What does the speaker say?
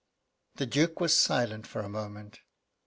The Duke was silent for a moment.